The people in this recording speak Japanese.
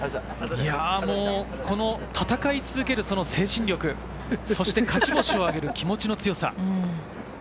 この戦い続ける精神力、そして勝ち星をあげる気持ちの強さ。